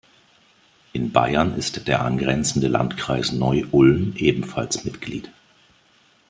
In Bayern ist der angrenzende Landkreis Neu-Ulm ebenfalls Mitglied.